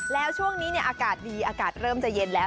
แล้วช่วงนี้อากาศดีอากาศเริ่มจะเย็นแล้ว